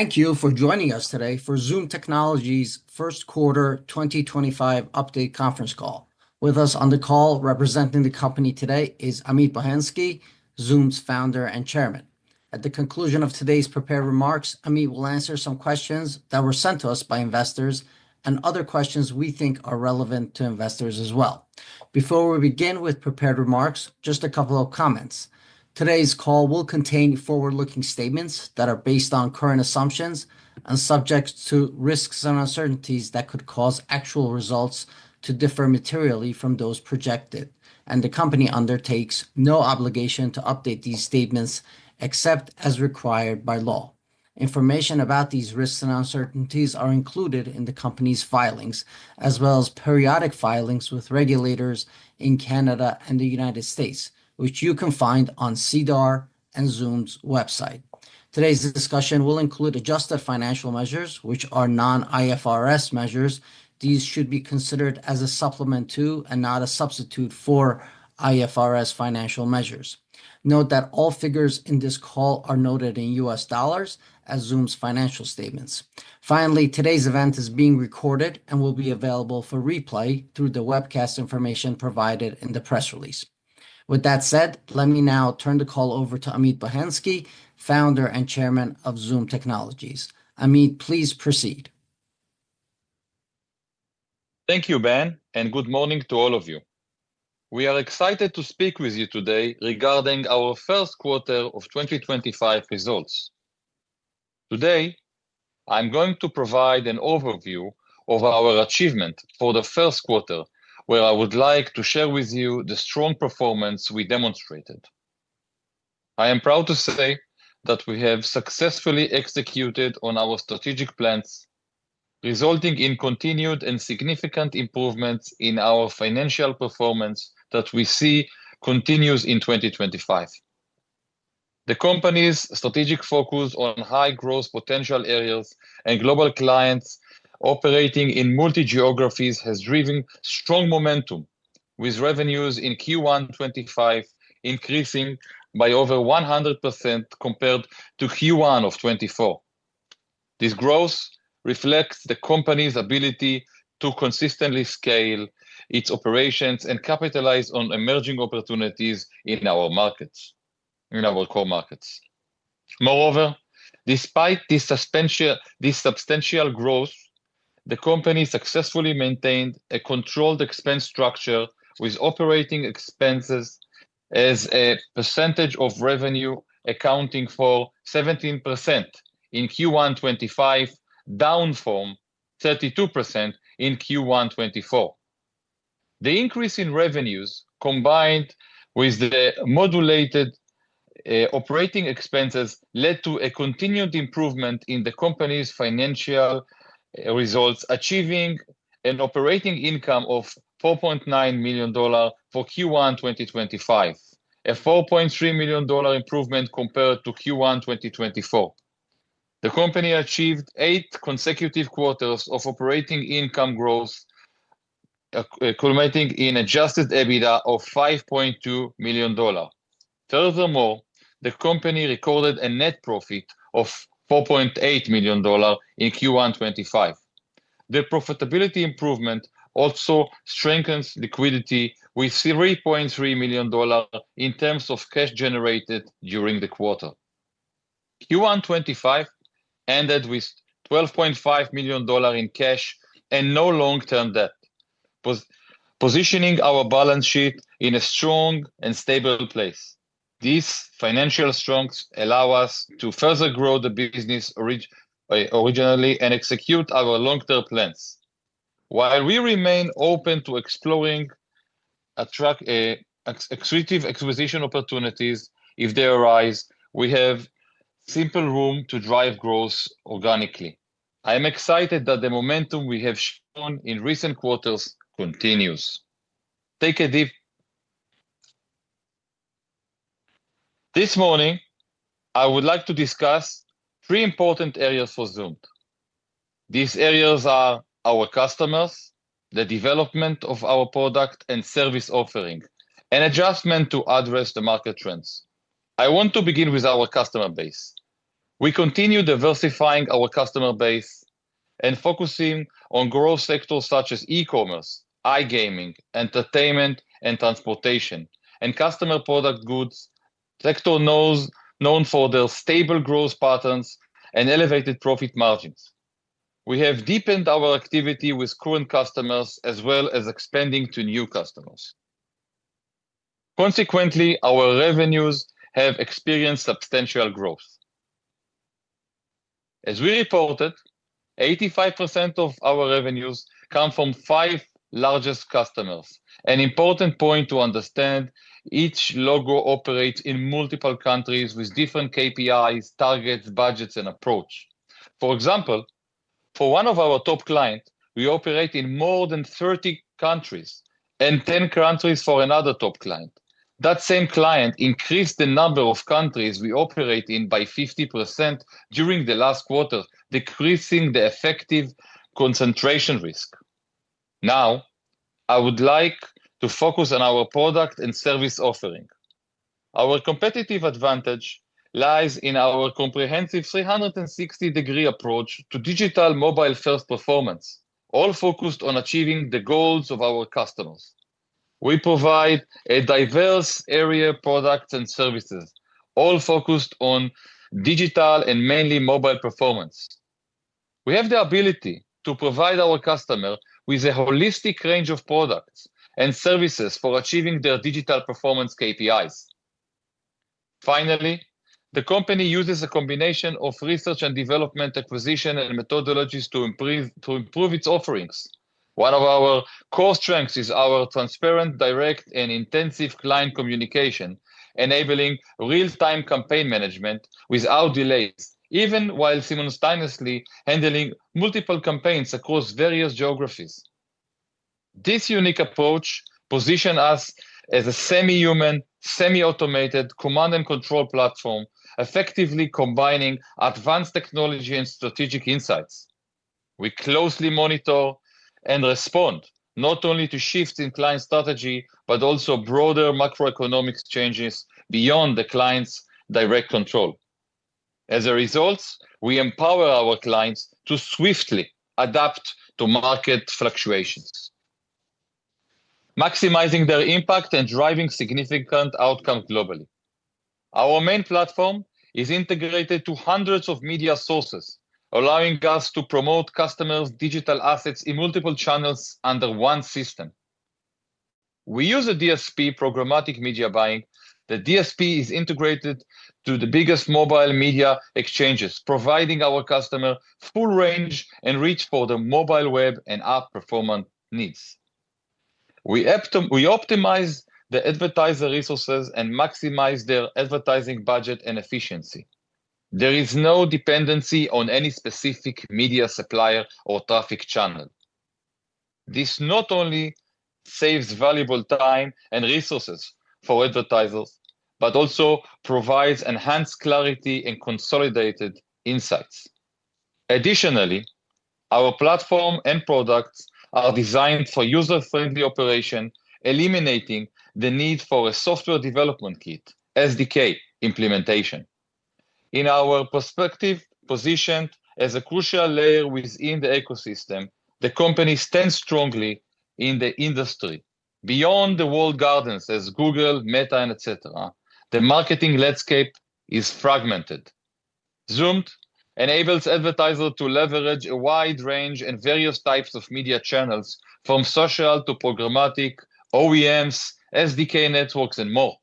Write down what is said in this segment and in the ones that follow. Thank you for joining us today for Zoomd Technologies' first quarter 2025 update conference call. With us on the call representing the company today is Amit Bohensky, Zoomd's Founder and Chairman. At the conclusion of today's prepared remarks, Amit will answer some questions that were sent to us by investors and other questions we think are relevant to investors as well. Before we begin with prepared remarks, just a couple of comments. Today's call will contain forward-looking statements that are based on current assumptions and subject to risks and uncertainties that could cause actual results to differ materially from those projected, and the company undertakes no obligation to update these statements except as required by law. Information about these risks and uncertainties are included in the company's filings, as well as periodic filings with regulators in Canada and the United States, which you can find on SEDAR and Zoomd's website. Today's discussion will include adjusted financial measures, which are non-IFRS measures. These should be considered as a supplement to and not a substitute for IFRS financial measures. Note that all figures in this call are noted in U.S. dollars as Zoomd's financial statements. Finally, today's event is being recorded and will be available for replay through the webcast information provided in the press release. With that said, let me now turn the call over to Amit Bohensky, Founder and Chairman of Zoomd Technologies. Amit, please proceed. Thank you, Ben, and good morning to all of you. We are excited to speak with you today regarding our first quarter of 2025 results. Today, I'm going to provide an overview of our achievement for the first quarter, where I would like to share with you the strong performance we demonstrated. I am proud to say that we have successfully executed on our strategic plans, resulting in continued and significant improvements in our financial performance that we see continues in 2025. The company's strategic focus on high growth potential areas and global clients operating in multi-geographies has driven strong momentum, with revenues in Q1 2025 increasing by over 100% compared to Q1 2024. This growth reflects the company's ability to consistently scale its operations and capitalize on emerging opportunities in our markets, in our core markets. Moreover, despite this substantial growth, the company successfully maintained a controlled expense structure, with operating expenses as a percentage of revenue accounting for 17% in Q1 2025, down from 32% in Q1 2024. The increase in revenues, combined with the modulated operating expenses, led to a continued improvement in the company's financial results, achieving an operating income of $4.9 million for Q1 2025, a $4.3 million improvement compared to Q1 2024. The company achieved eight consecutive quarters of operating income growth, culminating in adjusted EBITDA of $5.2 million. Furthermore, the company recorded a net profit of $4.8 million in Q1 2025. The profitability improvement also strengthens liquidity with $3.3 million in terms of cash generated during the quarter. Q1 2025 ended with $12.5 million in cash and no long-term debt, positioning our balance sheet in a strong and stable place. These financial strengths allow us to further grow the business originally and execute our long-term plans. While we remain open to exploring exclusive acquisition opportunities if they arise, we have simple room to drive growth organically. I am excited that the momentum we have shown in recent quarters continues. Take a deep. This morning, I would like to discuss three important areas for Zoomd. These areas are our customers, the development of our product and service offering, and adjustment to address the market trends. I want to begin with our customer base. We continue diversifying our customer base and focusing on growth sectors such as e-commerce, iGaming, entertainment, and transportation, and customer product goods, sector known for their stable growth patterns and elevated profit margins. We have deepened our activity with current customers as well as expanding to new customers. Consequently, our revenues have experienced substantial growth. As we reported, 85% of our revenues come from five largest customers. An important point to understand: each logo operates in multiple countries with different KPIs, targets, budgets, and approach. For example, for one of our top clients, we operate in more than 30 countries and 10 countries for another top client. That same client increased the number of countries we operate in by 50% during the last quarter, decreasing the effective concentration risk. Now, I would like to focus on our product and service offering. Our competitive advantage lies in our comprehensive 360-degree approach to digital mobile-first performance, all focused on achieving the goals of our customers. We provide a diverse area of products and services, all focused on digital and mainly mobile performance. We have the ability to provide our customers with a holistic range of products and services for achieving their digital performance KPIs. Finally, the company uses a combination of research and development, acquisition, and methodologies to improve its offerings. One of our core strengths is our transparent, direct, and intensive client communication, enabling real-time campaign management without delays, even while simultaneously handling multiple campaigns across various geographies. This unique approach positions us as a semi-human, semi-automated command and control platform, effectively combining advanced technology and strategic insights. We closely monitor and respond not only to shifts in client strategy, but also broader macroeconomic changes beyond the client's direct control. As a result, we empower our clients to swiftly adapt to market fluctuations, maximizing their impact and driving significant outcomes globally. Our main platform is integrated to hundreds of media sources, allowing us to promote customers' digital assets in multiple channels under one system. We use a DSP programmatic media buying. The DSP is integrated to the biggest mobile media exchanges, providing our customers full range and reach for their mobile web and app performance needs. We optimize the advertiser resources and maximize their advertising budget and efficiency. There is no dependency on any specific media supplier or traffic channel. This not only saves valuable time and resources for advertisers, but also provides enhanced clarity and consolidated insights. Additionally, our platform and products are designed for user-friendly operation, eliminating the need for a software development kit, SDK implementation. In our perspective, positioned as a crucial layer within the ecosystem, the company stands strongly in the industry. Beyond the walled gardens as Google, Meta, and etc., the marketing landscape is fragmented. Zoomd enables advertisers to leverage a wide range and various types of media channels, from social to programmatic, OEMs, SDK networks, and more.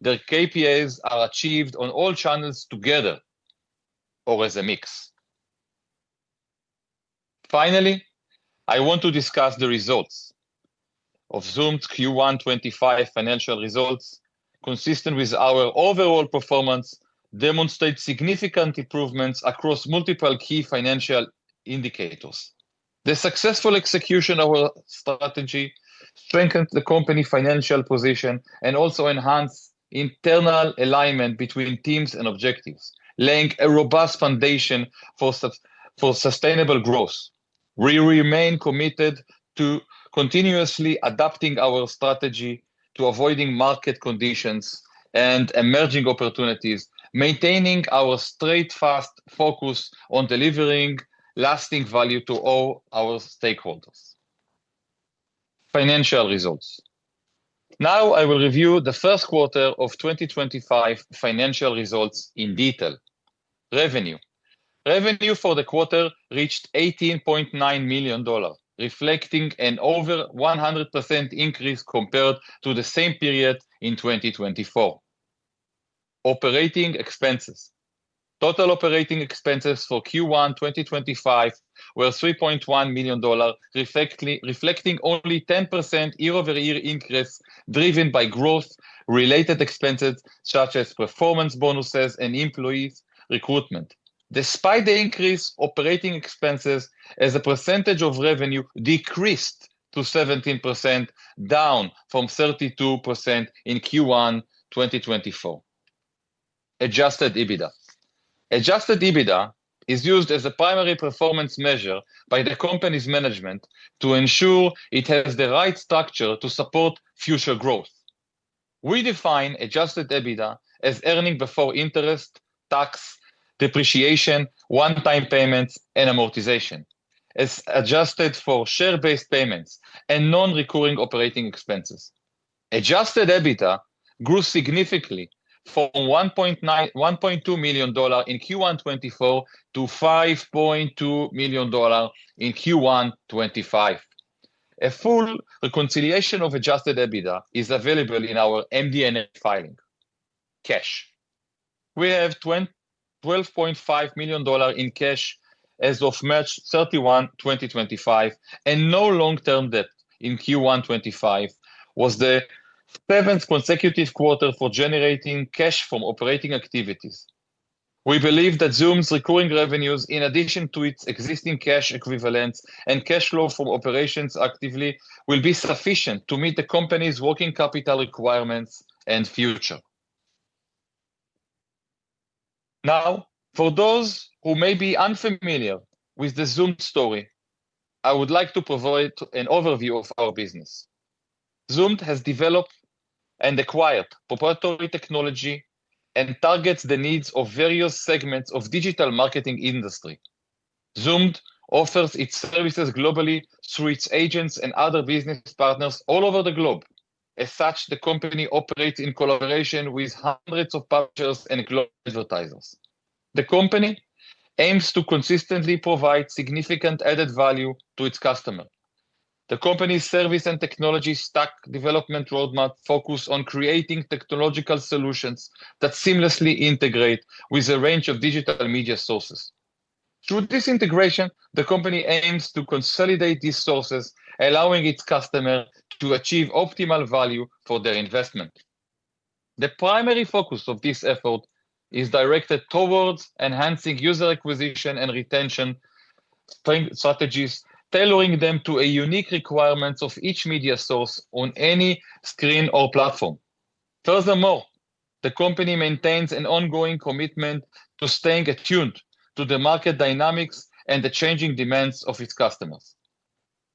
Their KPIs are achieved on all channels together or as a mix. Finally, I want to discuss the results of Zoomd Q1 2025 financial results, consistent with our overall performance, demonstrate significant improvements across multiple key financial indicators. The successful execution of our strategy strengthens the company's financial position and also enhances internal alignment between teams and objectives, laying a robust foundation for sustainable growth. We remain committed to continuously adapting our strategy to avoid market conditions and emerging opportunities, maintaining our straightforward focus on delivering lasting value to all our stakeholders. Financial results. Now, I will review the first quarter of 2025 financial results in detail. Revenue. Revenue for the quarter reached $18.9 million, reflecting an over 100% increase compared to the same period in 2024. Operating expenses. Total operating expenses for Q1 2025 were $3.1 million, reflecting only a 10% year-over-year increase driven by growth-related expenses such as performance bonuses and employee recruitment. Despite the increase, operating expenses as a percentage of revenue decreased to 17%, down from 32% in Q1 2024. Adjusted EBITDA. Adjusted EBITDA is used as a primary performance measure by the company's management to ensure it has the right structure to support future growth. We define adjusted EBITDA as earnings before interest, tax, depreciation, one-time payments, and amortization, as adjusted for share-based payments and non-recurring operating expenses. Adjusted EBITDA grew significantly from $1.2 million in Q1 2024 to $5.2 million in Q1 2025. A full reconciliation of adjusted EBITDA is available in our MD&A filing. Cash. We have $12.5 million in cash as of March 31, 2025, and no long-term debt in Q1 2025, which was the seventh consecutive quarter for generating cash from operating activities. We believe that Zoomd's recurring revenues, in addition to its existing cash equivalents and cash flow from operations actively, will be sufficient to meet the company's working capital requirements and future. Now, for those who may be unfamiliar with the Zoomd story, I would like to provide an overview of our business. Zoomd has developed and acquired proprietary technology and targets the needs of various segments of the digital marketing industry. Zoomd offers its services globally through its agents and other business partners all over the globe. As such, the company operates in collaboration with hundreds of partners and global advertisers. The company aims to consistently provide significant added value to its customers. The company's service and technology stack development roadmap focuses on creating technological solutions that seamlessly integrate with a range of digital media sources. Through this integration, the company aims to consolidate these sources, allowing its customers to achieve optimal value for their investment. The primary focus of this effort is directed towards enhancing user acquisition and retention strategies, tailoring them to the unique requirements of each media source on any screen or platform. Furthermore, the company maintains an ongoing commitment to staying attuned to the market dynamics and the changing demands of its customers.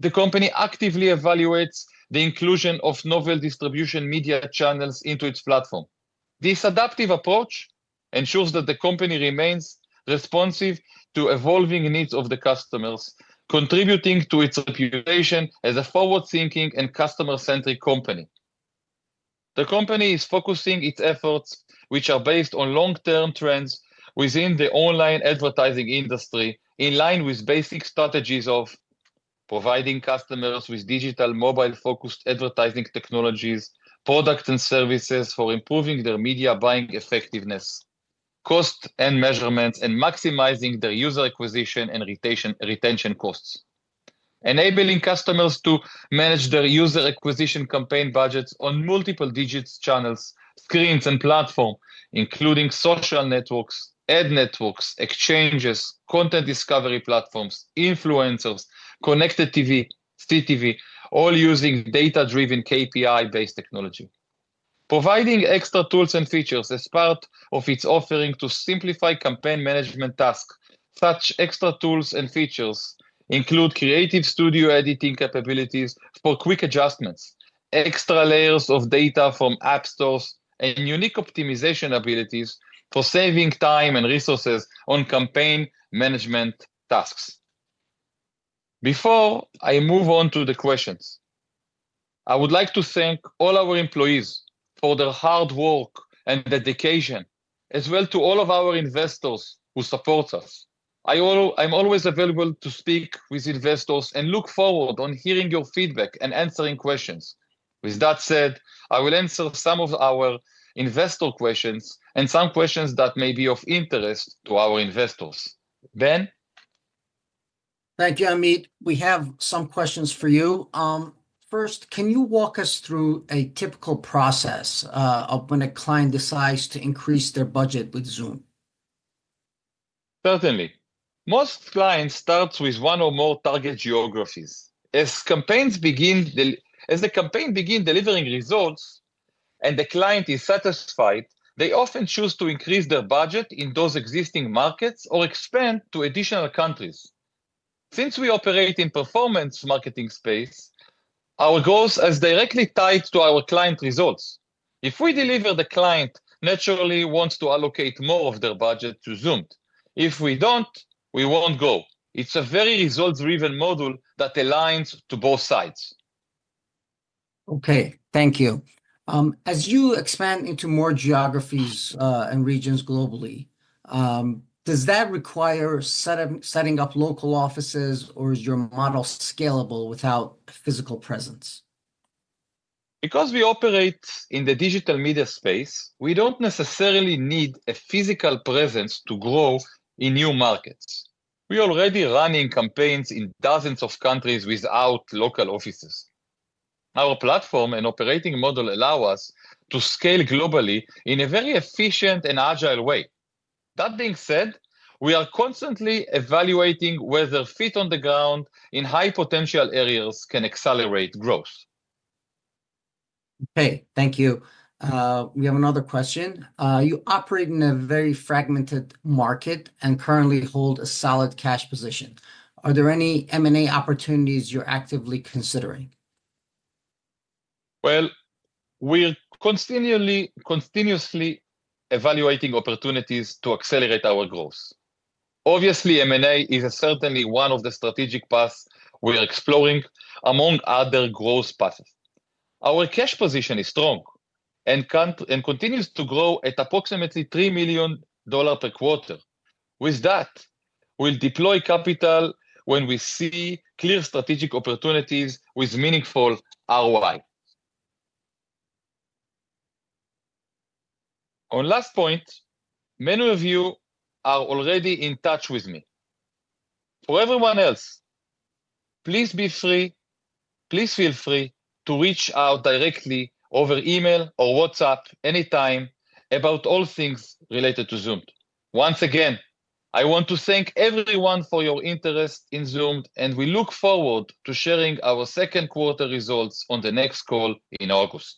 The company actively evaluates the inclusion of novel distribution media channels into its platform. This adaptive approach ensures that the company remains responsive to evolving needs of the customers, contributing to its reputation as a forward-thinking and customer-centric company. The company is focusing its efforts, which are based on long-term trends within the online advertising industry, in line with basic strategies of providing customers with digital mobile-focused advertising technologies, products, and services for improving their media buying effectiveness, cost and measurements, and maximizing their user acquisition and retention costs. Enabling customers to manage their user acquisition campaign budgets on multiple digital channels, screens, and platforms, including social networks, ad networks, exchanges, content discovery platforms, influencers, connected TV, CTV, all using data-driven KPI-based technology. Providing extra tools and features as part of its offering to simplify campaign management tasks. Such extra tools and features include creative studio editing capabilities for quick adjustments, extra layers of data from app stores, and unique optimization abilities for saving time and resources on campaign management tasks. Before I move on to the questions, I would like to thank all our employees for their hard work and dedication, as well as to all of our investors who support us. I'm always available to speak with investors and look forward to hearing your feedback and answering questions. With that said, I will answer some of our investor questions and some questions that may be of interest to our investors. Ben. Thank you, Amit. We have some questions for you. First, can you walk us through a typical process when a client decides to increase their budget with Zoomd? Certainly. Most clients start with one or more target geographies. As the campaign begins delivering results and the client is satisfied, they often choose to increase their budget in those existing markets or expand to additional countries. Since we operate in a performance marketing space, our goals are directly tied to our client results. If we deliver, the client naturally wants to allocate more of their budget to Zoomd. If we don't, we won't grow. It's a very results-driven model that aligns to both sides. Okay. Thank you. As you expand into more geographies and regions globally, does that require setting up local offices, or is your model scalable without a physical presence? Because we operate in the digital media space, we don't necessarily need a physical presence to grow in new markets. We are already running campaigns in dozens of countries without local offices. Our platform and operating model allow us to scale globally in a very efficient and agile way. That being said, we are constantly evaluating whether feet on the ground in high-potential areas can accelerate growth. Okay. Thank you. We have another question. You operate in a very fragmented market and currently hold a solid cash position. Are there any M&A opportunities you're actively considering? We're continuously evaluating opportunities to accelerate our growth. Obviously, M&A is certainly one of the strategic paths we are exploring, among other growth paths. Our cash position is strong and continues to grow at approximately $3 million per quarter. With that, we'll deploy capital when we see clear strategic opportunities with meaningful ROI. On the last point, many of you are already in touch with me. For everyone else, please feel free to reach out directly over email or WhatsApp anytime about all things related to Zoomd. Once again, I want to thank everyone for your interest in Zoomd, and we look forward to sharing our second quarter results on the next call in August.